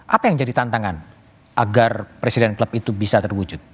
apa yang jadi tantangan agar presiden klub itu bisa terwujud